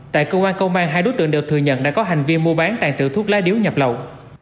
tại cơ quan công an hai đối tượng đều thừa nhận đã có hành vi mua bán tàn trữ thuốc lá điếu nhập lậu